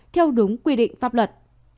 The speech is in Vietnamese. theo đúng quy định pháp luật